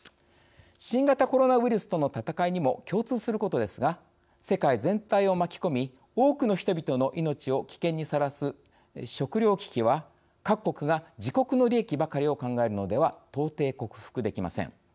新型コロナウイルスとの闘いにも共通することですが世界全体を巻き込み多くの人々の命を危険にさらす食糧危機は各国が自国の利益ばかりを考えるのでは到底、克服できません。